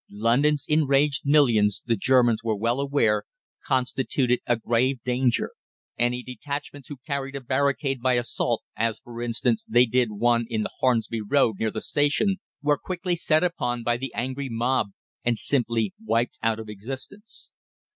London's enraged millions, the Germans were well aware, constituted a grave danger. Any detachments who carried a barricade by assault as, for instance, they did one in the Hornsey Road near the station were quickly set upon by the angry mob and simply wiped out of existence.